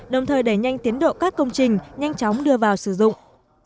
đồng thời đẩy nhanh tiến độ các công trình nhanh chóng đưa vào sử dụng